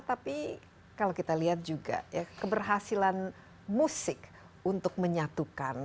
tapi kalau kita lihat juga ya keberhasilan musik untuk menyatukan